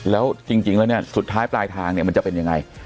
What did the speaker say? แล้วจริงแล้วเนี่ยสุดท้ายปลายทางเนี่ยมันจะเป็นยังไง